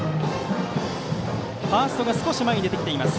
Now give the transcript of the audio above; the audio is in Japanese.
ファーストが少し前に出てきています